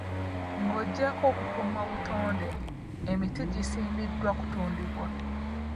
Ng'ogyeko okukuuma obutonde, emiti gisimbibwa kutundibwa.